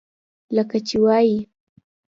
لکه چې وائي: